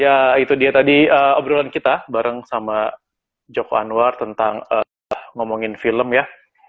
ya itu dia tadi obrolan kita bareng sama joko anwar tentang ngomongin film ya